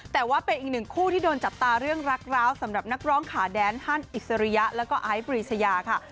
แต่ว่าเป็นอีกหนึ่งคู่ที่โดนจับตาเรื่องรักร้าวสำหรับนักร้องขาแดนฮันอิสริยะแล้วก็ไอซ์ปรีชยาค่ะ